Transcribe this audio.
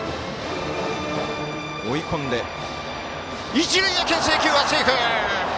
一塁へけん制球は、セーフ！